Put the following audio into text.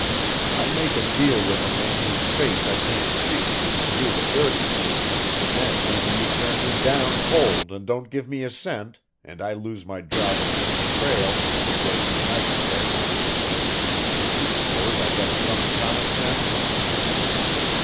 "I make a deal with a man whose face I can't see, and do the dirty work and then maybe you turn me down cold and don't give me a cent, and I lose my job with Mr. Prale and get in a nice fix. Don't you suppose I got some common sense?"